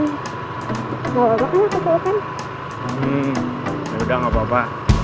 hmm yaudah gak apa apa